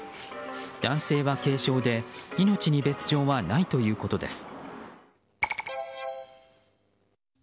男性は軽傷で命に別条はないということです。